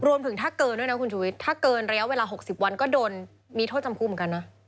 รวมถึงถ้าเกินด้วยนะคุณชุวิตถ้าเกินระยะเวลา๖๐วันก็โดนมีโทษจำคุกเหมือนกันนะ